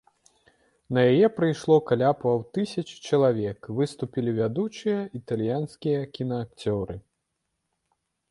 На яе прыйшло каля паўтысячы чалавек, выступілі вядучыя італьянскія кінаакцёры.